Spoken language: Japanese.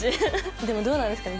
でもどうなんですかね？